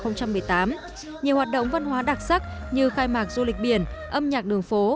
nhiều hoạt động văn hóa đặc sắc như khai mạc du lịch biển âm nhạc đường phố